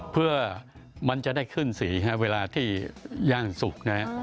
เพื่อมันจะได้ขึ้นสีเวลาที่ย่างสุกนะฮะ